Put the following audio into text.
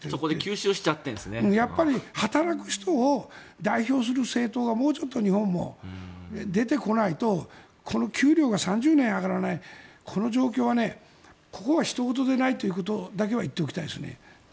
働く人を代表する政党がもうちょっと日本も出てこないと給料が３０年上がらないこの状況はここはひと事ではないということだけは言っておきたいですね。